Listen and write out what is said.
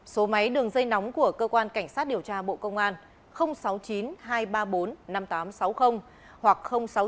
số máy đường dây nóng của cơ quan cảnh sát điều tra bộ công an sáu mươi chín hai trăm ba mươi bốn năm nghìn tám trăm sáu mươi hoặc sáu mươi chín hai trăm ba mươi hai một nghìn sáu trăm sáu mươi